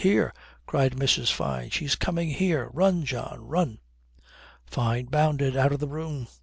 . "Here," cried Mrs. Fyne; "she's coming here! Run, John! Run!" Fyne bounded out of the room.